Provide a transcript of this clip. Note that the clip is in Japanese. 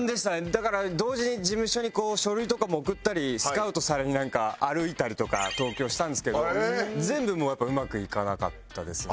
だから同時に事務所に書類とかも送ったりスカウトされに歩いたりとか東京したんですけど全部やっぱうまくいかなかったですね。